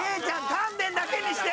丹田だけにして。